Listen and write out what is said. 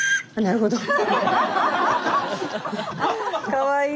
かわいい！